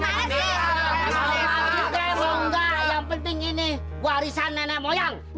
mau maju kem mau nggak yang penting ini warisan nenek moyang